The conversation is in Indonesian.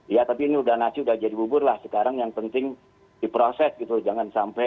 ya tapi ini udah nasi udah jadi bubur lah sekarang yang penting diproses gitu jangan sampai